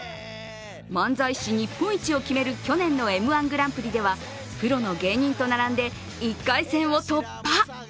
漫才師日本一を決める去年のＭ−１グランプリではプロの芸人と並んで１回戦を突破。